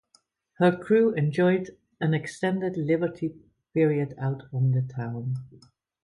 Her crew enjoyed an extended liberty period out on the town.